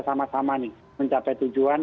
sama sama mencapai tujuan